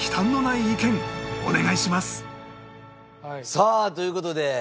さあという事で。